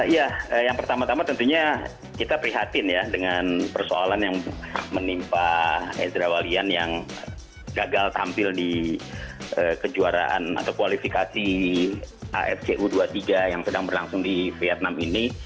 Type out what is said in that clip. ya yang pertama tama tentunya kita prihatin ya dengan persoalan yang menimpa edra walian yang gagal tampil di kejuaraan atau kualifikasi afc u dua puluh tiga yang sedang berlangsung di vietnam ini